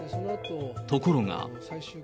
ところが。